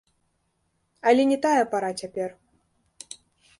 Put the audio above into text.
Але не тая пара цяпер!